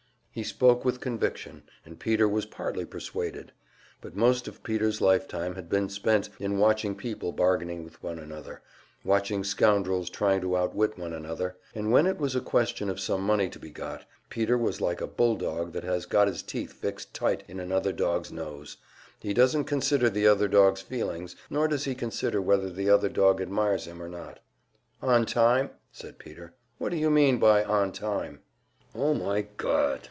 He spoke with conviction, and Peter was partly persuaded. But most of Peter's lifetime had been spent in watching people bargaining with one another watching scoundrels trying to outwit one another and when it was a question of some money to be got, Peter was like a bulldog that has got his teeth fixed tight in another dog's nose; he doesn't consider the other dog's feelings, nor does he consider whether the other dog admires him or not. "On time?" said Peter. "What do you mean by `on time'?" "Oh, my God!"